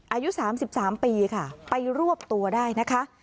อายุ๓๓ปีค่ะไปรวบตัวได้นะคะ